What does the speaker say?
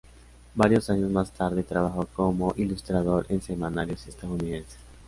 Varios años más tarde trabajó como ilustrador en semanarios estadounidenses.